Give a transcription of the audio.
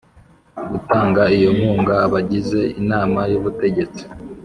gutanga iyo nkunga abagize Inama y Ubutegetsi